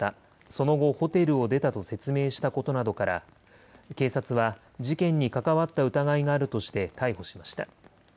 その後、ホテルを出たと説明したことなどから、警察は事件に関わった疑いがあるとして逮捕しました。